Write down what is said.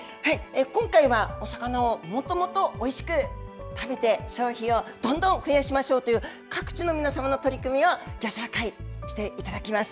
今回は、お魚をもともとおいしく食べて、消費をどんどん増やしましょうという、各地の皆様の取り組みをぎょ紹介していただきます。